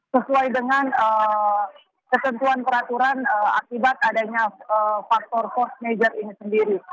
sesuai dengan ketentuan peraturan akibat adanya faktor force major ini sendiri